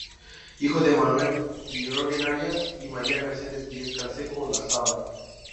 Hijo de Manuel Yrigoyen Arias y María Mercedes Diez Canseco Olazábal.